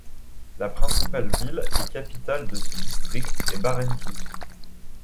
La principale ville et capitale de ce district est Barentu.